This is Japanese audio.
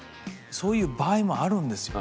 そういう場合もあるんですよね。